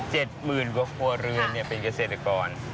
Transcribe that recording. หมื่นกว่าครัวเรือนเนี่ยเป็นเกษตรกร